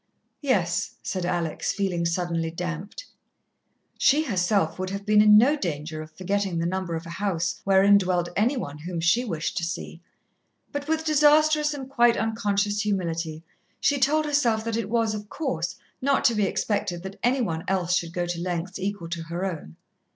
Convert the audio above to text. "Yes," said Alex, feeling suddenly damped. She herself would have been in no danger of forgetting the number of a house wherein dwelt any one whom she wished to see, but with disastrous and quite unconscious humility, she told herself that it was, of course, not to be expected that any one else should go to lengths equal to her own.